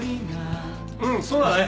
うんそうだね。